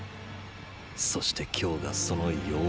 そして今日がその八日目。